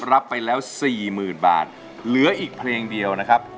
รับไปแล้วสี่หมื่นบาทเหลืออีกเพลงเดียวนะครับ